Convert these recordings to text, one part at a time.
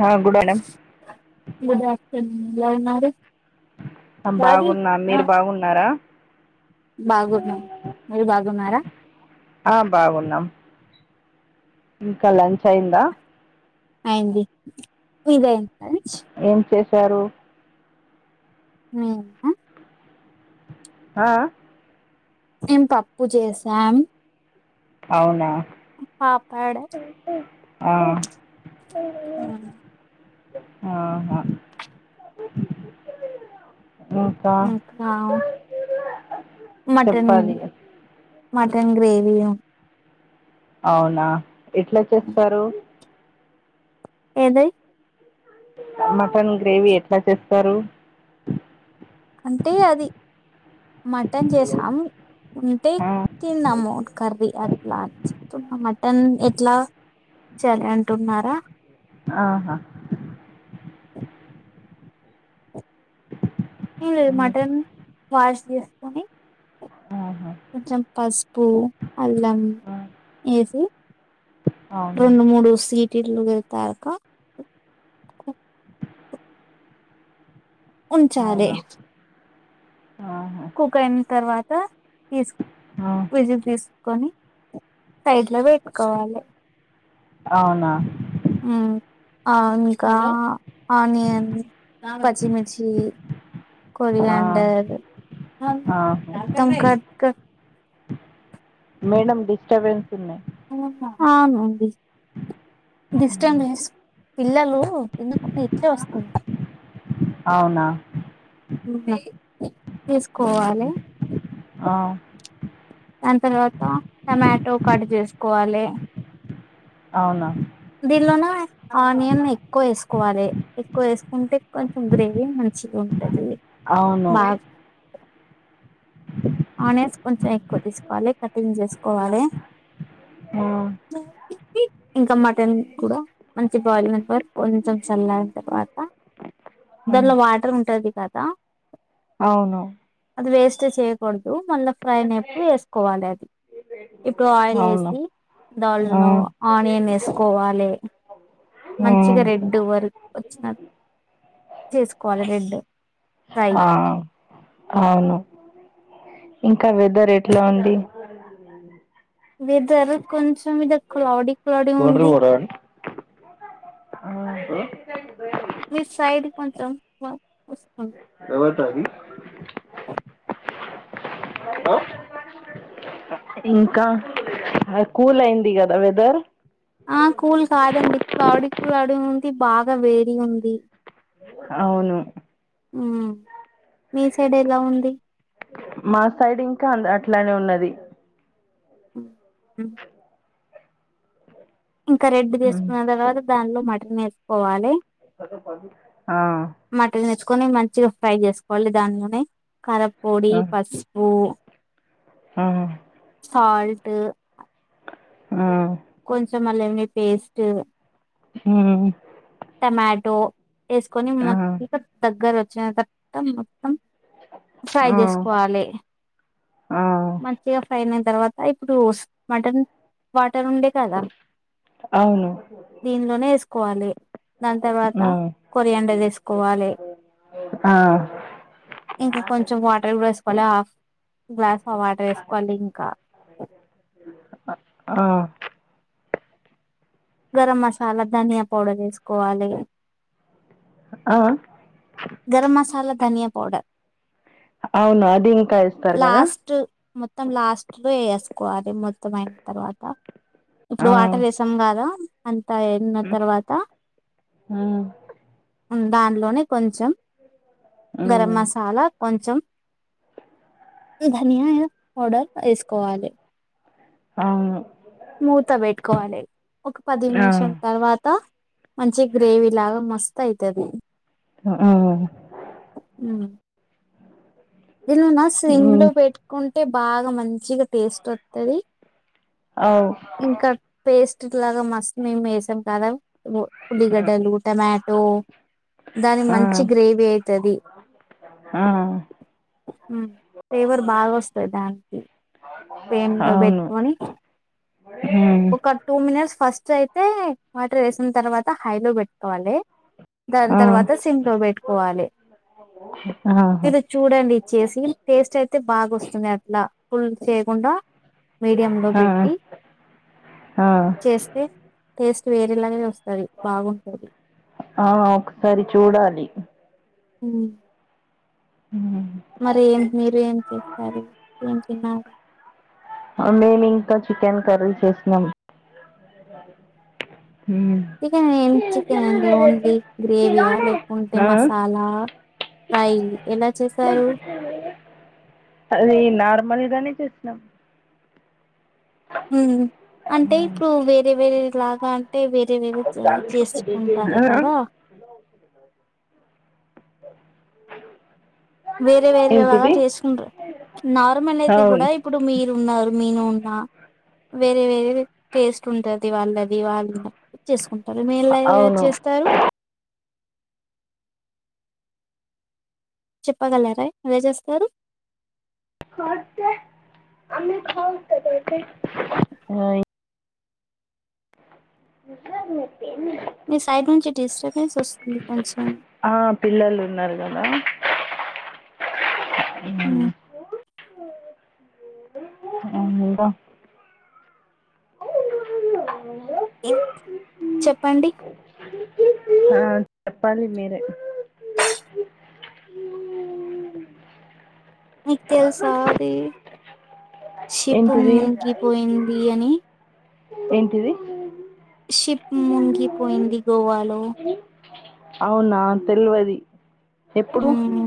హా గుడ్ [unintelligible] హ్ ఎలా ఉన్నారు హమ్ బాగున్నా, మీరు బాగున్నారా? బాగున్నాం మీరు బాగున్నారా? ఆ బాగున్నాం. ఇంకా లంచ్ అయిందా? అయింది మీదై ఏం చేశారు? మేమ ఆ అ మేం పప్పు చేసాం. అవునా పాపడ్ ఆ ఆ ఆహా ఇంకా ఇంకా మటన్ చెప్పాలి మటన్ గ్రేవీయ అవునా ఎట్ల చేస్తరు ఏదై మటన్ గ్రేవీ ఎట్ల చేస్తరు. అంటే అది మటన్ చేసాం ఉంటే ఆ తిన్నాము టన్ ఎట్లా చేయాలి అంటున్నారా? ఆహ ఏం లేదు ఉమ్, మటన్ వాష్ చేస్కొని ఆహా కొంచం పసుపు, అల్లం ఆ, ఏసి అవును రెండు మూడు సీటిలు వెళ్తాయాక ఉంచాలి. అవునా ఆహా తీస్ ఆ విజిల్ తీస్కొని సైడ్లో పెట్టుకోవాలె. అవునా మ్ ఆ ఇంకా ఆనియన్, పచ్చిమిర్చీ ఆ కొరియాండర్ ఆహా క క మేడం డిస్టర్బెన్స్ ఉన్నయి ఆవునండి డిస్టబెన్స్ పిల్లలు ఎందుకో ఇట్నే వస్తుంటా అవునా ఏస్కోవాలె ఉమ్, ఆ దాన్ తర్వాత టమాటో కట్ చేస్కోవాలే అవునా దీన్లోన ఆనియన్ ఎక్కు ఏస్కోవాలె ఎక్కువ ఏస్కుంటే కొంచం గ్రేవీ మంచిగా ఉ టది అవును బాగ్ ఆనియన్స్ కొంచం ఎక్కువ ఏస్కోవాలె కటింగ్ చేస్కోవాలే ఆ ఇంకా మటన్ కూడా మంచి బోయిన తర్వాత కొంచెం చల్లరిన తర్వాత హ్మ్ దానిలో వాటర్ ఉంటది కదా అవును అది వేస్ట్ చేయకూడదు మళ్ళా ఫ్రై అయినప్పుడు వేసుకోవాలే అది ఇప్పుడు ఆయిల్ అవును వేసి దాళలో హ్మ్ ఆనియన్ వేసుకోవాలె మంచిగా హ్మ్ రెడ్ వర్క్ వచ్చిన చేసుకోవాలే రెడ్ ఫ్రై ఆ అవును ఇంకా వెదర్ ఎట్లా ఉంది వెదర్ కొంచెం ఇడ క్లాౌడి కొంట్రు పోర మీ సైడ్ కొంచెం వ వస్తుంది ఎవతది ఆ? ఇంకా కూల్ అయింది కదా వెదర్ ఆ కూల్ కాదండి క్లౌడ్ క్లౌడి ఉంది బాగా వేడి ఉంది అవును మ్ మీ సైడ్ ఎలా ఉంది మా సైడ్ ఇంకా అ అట్లానే ఉన్నది ఉమ్. ఇంకా ఉమ్. రెడ్దేసుకున్న తర్వాత దానిలో మటన్ వేసుకోవాలి ఆ మటన్ తెచ్చుకొని మంచిగా ఫ్రై చేసుకోవాలి దానిలోనే కరప్పోడి ఆ పసుపు ఆ సల్ట్ ఆ కొంచం అల్లంవెల్లి పేస్ట్ హ్మ్ టమాటో వేసుకొని ఆ మొత్త దగ్గర వచ్చిన తర్వాత మొత్తం ఫ్రై ఆ చేసుకోవాలే ఆ మంచిగా ఫ్రై అయిన తర్వాత ఇప్పుడు మటన్ వాటర్ ఉండే కదా అవును దీనిలోనే వేసుకోవాలి దాని తర్వాత ఆ కొరియాండర్ వేసుకోవాలే ఆ ఇంకా కొంచెం వాటర్ కూడా వేసుకోవాలే ఆఫ్ గ్లాస్ ఆఫ్ వాటర్ వేసుకోవాలి ఇంకా ఆ గరం మసాలా ధనియా పౌడర్ వేసుకోవాలి ఆ గరం మసాలా ధనియా పౌడర్ అవును అది ఇం లాస్ట్ మొత్తం లాస్ట్ లో ఎసుకోవాలి మొత్తం అయిన తర్వాత ఇప్పుడు ఆ వాటర్ వేసాం కాదా అ త ఎన్న తర్వాత మ్మ్ దానిలోనే కొంచెం గరం మ్మ్ మసాలా కొంచెం ధనియా పౌడర్ వేసుకోవాలి అవును మూత పెట్టుకోవాలి ఒక పది ఆ నిమిషలా తర్వాత మంచి గ్రేవీ లాగా మస్తు అయితది ఆ ఇది నా స్మ్ లో మ్మ్ పెట్టుకుంటే బాగా మంచిగా టేస్ట్ ఓత్తది అవ్ ఇంకా పేస్ట్ లాగా మస్ మేం వేసాం కదా బ్ ఉల్లిగడ్డలు ట్యమాటో దాని ఆ మంచి గ్రేవీ ఐతది ఆ ఉమ్ ఫేవర్ బాగొస్తద్ దాన్కి పేమ్దొ అవును బెట్కోని మ్మ్ ఒక టూ మినస్ ఫస్ చ్ ఐతే వాటరేసిన్ తర్వాత హైలో బెట్కోవాలె. దాన్ ఆ తర్వాత సిమ్లొ వెట్టుకోవాలి ఆహా ఇది చూడండి చేసీ టేస్టైతె బాగొస్తుంది అట్లా ఫుల్ చేయ్కుండా మీడియం లొ ఆ పెట్టి ఆ చేస్తే టేస్ట్ వేరేలాగే వస్తాది బాగుంటది ఆ ఒక్కసారి చూడాలి ఊమ్ ఉమ్, మరి ఏం మీరు ఏం తింటారు ఏం తిన్నారు అ మేమింక చికెన్ కర్రి చేస్నం హ్మ్ చికెన్ ఏం చికెన్ అండి ఓన్లీ గ్రేవీయా లేకుంటే ఆ మసాలా ఫ్రై ఎలా చేశారు అదీ నార్మల్గనె చేస్నం ఊమ్ అంటే ఇప్పుడూ వేరే వేరే లాగాన్ టె వేరె వేరే జా చేస్కుంటార కదా వేరే వేరేలాగా ఏంటిది చేసుకుంట్రు నార్మలైతె గూడా అవును ఇప్పుడు మీరున్నారు మీనూ ఉన్నా వేరే వేరే టేస్టుంటది వాళ్ళది వాళ్ళ చేస్ ఉంటరు మీ ఎలా ఎలా అవును చేస్తారు చెప్పగలరా ఎలా చేస్తారు ఓయ్ ఇసిన మి సైడ్ నుంచి డిస్టబెన్సొస్తుంది కొంచం అలో ఊమ్ ఉమ్ ఊమ్ ఇంకా ఇంక్ చెప్పండి ఆ చెప్పాలి మీరె అ మీక్ తెల్సా అది షిప్పు ఏంటిది మున్గిపోయిందీ అని ఏంటిది షిప్ మున్గిపోయింది గోవాలో ఔనా తెల్వది ఎప్పుడు ఉమ్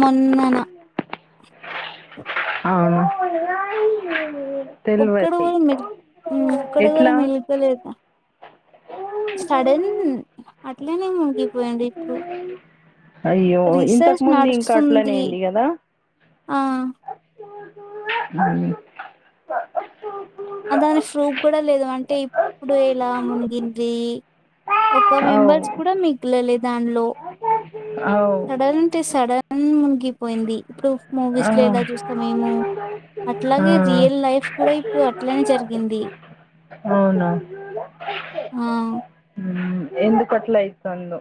మొన్నన ఔను ఒక్కడు గుడ మిల్ మ్ ఒక్కడు గుడ ఎట్లా మెల్కోలేద సడన్ అట్లెనే మున్గిపోయిండిప్పుడు అయ్యో ఇంతకు రీసర్చ్ ముందు ఇంకా అట్లనే నడుస్తుంది అయింది ఆ అ అదాని ఫ్రూప్ కూడా లేదు అంటె ఇప్డు ఎలా మున్గింది ఒక అవు మెంబర్స్ కుడా మిగ్లలే దాన్ లొ అవు సడన్ తె సడన్ మునిగిపోయింది. ఇప్పుడు ఆ మూవీస్‌లో ఎలా చూస్తామేమో, ఆ అట్లాగే రియల్ లైఫ్ కూడా ఇప్పుడు అట్లనే జరిగింది. అవున ఆ! హ్మ్ ఎందుకట్లైతందో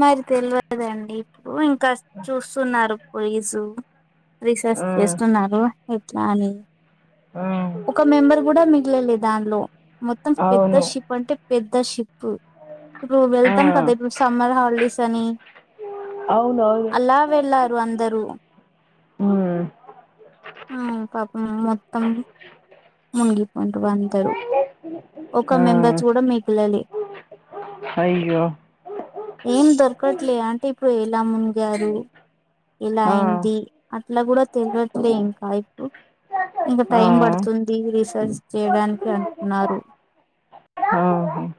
మరి తేల్వదండి ఇప్పుడు ఇంక చూస్తున్నారు పోయిసూ రీసెర్చ్ ఆ, చేస్తున్నారు ఎట్ల అని ఆ. ఒక మెంబర్ కూడ మిగలలే దానిలో మొత్తం పెద్ద అవును షిప్ అంటే పెద్ పెద్ద షిప్ ఇప్పుడు ఆ వెళ్తాం కదా ఇప్పుడు సమ్మర్ హాలిడేస్ అని అవునవును అలా వెళ్ళారు అందరూ హ్మ్ హ్మ్ పాపం మొత్తం మునిగిపోంట అందరు ఒక ఆ మెంబర్స్ కూడ మిగలలే అయ్యో ఏం దొరకట్లే అంటే ఇప్పుడు ఎలా మునిగారు ఇలా ఆ అయింది అట్లా కూడ తేల్వట్లే ఇంకా ఇప్పుడు ఇగ ఆ టైం పడుతుం ది రీసెర్చ్ చేయడానికి అంటున్నారు ఆహా ఉమ్.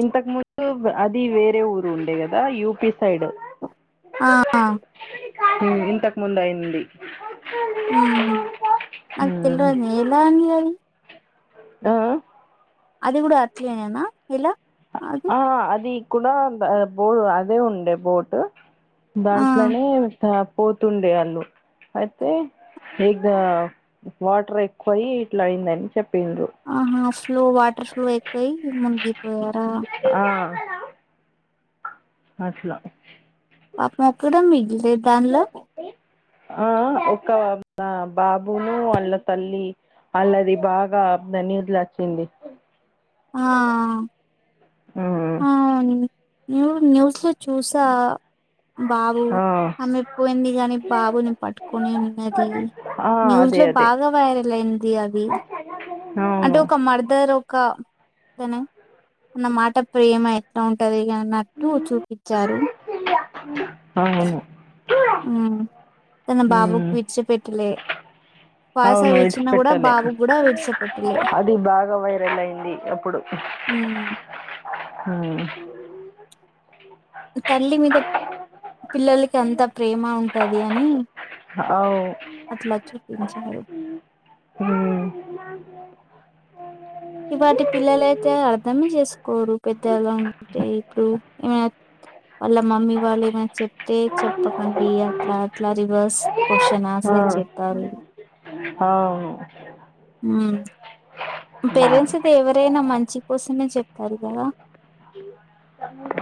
ఇంతకు ముందు అది వేరే ఊరు ఉండే కద యూపి సైడ్ ఆ హ్మ్ ఇంతకు ముందు అయింది ఉహ్మ్ మ్మ్ [unintelligible] ఎలా అండి అది ఆ అది గూడ అట్లేనెన ఆ అది కూడ ఆ బా బో అదే ఉండే బోటు ఆ దాంట్లోనే పోతుండే ఆళ్ళు అయితే ఏ వాటర్ ఎక్కువయి ఇట్ల అయిందని చెప్ ఆహా ఫ్లో వాటర్ ఫ్లో ఎక్కువయి మునిగిపోయార అట్ల పాపం ఒక్కళ్ళు మిగిలే దాన్లో ఆ ఒక బ బాబును వాళ్ళ తల్లి అళ్ళది బాగ [unintelligible] ఆ ఆ మ్మ్ అ న్యూ న్యూస్ లో చూసా బాబు ఆ అమే పోయింది గని బాబుని పట్టుకొనే ఉన్నది ఆ న్యూస్ అదే లో అదే బాగ వైరల్ అయింది అది అంటే అవును ఒక మర్దర్ ఒక ఆన్న మాట ప్రేమ ఎట్ల ఉంటది ది అన్నట్టు చూపిచారు [unintelligible] హ్మ్ తన బాబుకి మ్మ్ విడిచి పెట్టలే [inaudible] అవును ఈడిచి పెట్టలే బాబు కూడా విడిచిపెట్టలే అది బాగ వైరల్ అయింది అప్పుడు హ్మ్ హ్మ్ తల్లి మీద పిల్లలకి అంత ప్రేమ ఉంటది అని అవు అట్ల చూపించారు హ్మ్ ఇవ్వాటి పిల్లలయితే అర్ధమే చేసుకోరు పెద్దగా ఉంటే ఇప్పుడు అ వాళ్ళ మమ్మీ వాళ్ళు ఏమైనా చెప్ తెద్ చెప్పకండి అట్లా అట్లా రివర్స్ క్వశ్చన్ ఆ, ఆన్సర్ చెప్పారు అవును ఉ పేరెంట్స్కు ఎవరైనా మంచి కోసమే చెప్తారు కదా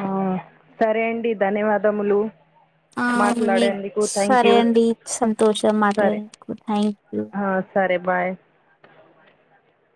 ఆ సరే అండి ధన్యవాదములు [inaudible] ఆ మీ మాట్లాడేందుకు థ్యాంక్ సరే యూ అండి సంతోషం సరే మాట్లాడినందుకు థ్యాంక్ యూ ఆ, సరే బాయ్